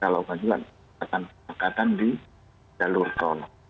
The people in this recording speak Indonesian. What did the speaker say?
kita lakukan juga peningkatan di jalur tol